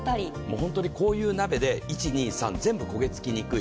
本当にこういう鍋で、１、２、３全部焦げつきにくい。